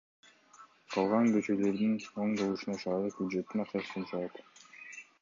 Калган көчөлөрдүн оңдолушуна шаардык бюджеттин акчасы жумшалат.